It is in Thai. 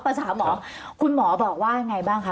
ประสาทหมอคุณหมอบอกว่าไงบ้างคะ